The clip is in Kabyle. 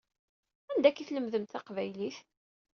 Anda akka i tlemdemt taqbaylit?